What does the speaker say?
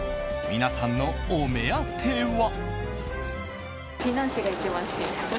皆さんのお目当ては。